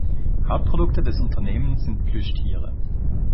Hauptprodukte des Unternehmens sind Plüschtiere.